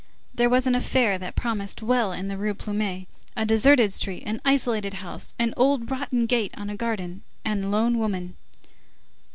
There was an affair that promised well in the Rue Plumet, a deserted street, an isolated house, an old rotten gate on a garden, and lone women."